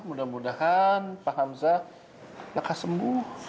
mudah mudahan pak hamzah lekas sembuh